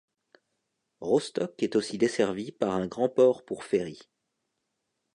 Rostock est aussi desservi par un grand port pour ferry.